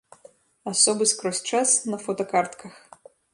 Асобы скрозь час на фотакартках.